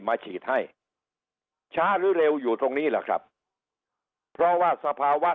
มาฉีดให้ช้าหรือเร็วอยู่ตรงนี้แหละครับเพราะว่าสภาวะ